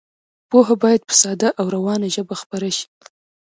پوهه باید په ساده او روانه ژبه خپره شي.